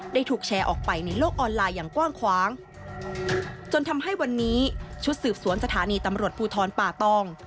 ถูกแชร์ออกไปในโลกออนไลน์อย่างกว้างขวางจนทำให้วันนี้ชุดสืบสวนสถานีตำรวจภูทรป่าตอง